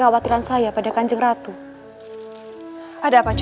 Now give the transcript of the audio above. kamu sudah bisa menikmati hidupmu